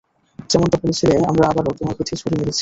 যেমনটা বলেছিলে, আমরা আবারও তোমার পিঠে ছুরি মেরেছি।